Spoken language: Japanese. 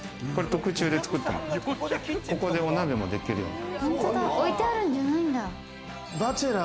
特注で作ってもらって、ここでお鍋もできるように。